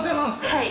はい！